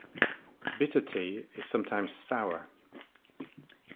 Bitter tea is sometimes sour.